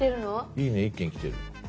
「いいね」１件来てる。